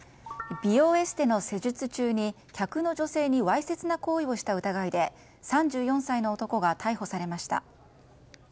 美容エステの施術中に客の女性にわいせつな行為をした疑いで３４歳の男が逮捕されました。